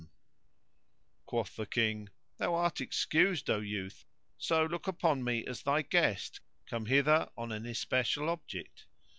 "[FN#114] Quoth the King, "Thou art excused, O youth; so look upon me as thy guest come hither on an especial object.